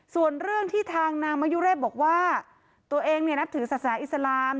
ส่วนเรื่องที่ทางนางมะยุเรศบอกว่าตัวเองเนี่ยนับถือศาสนาอิสลาม